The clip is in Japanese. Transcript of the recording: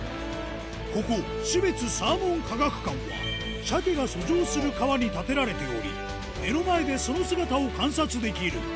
ここ、標津サーモン科学館は、シャケが遡上する川に建てられており、目の前でその姿を観察できる。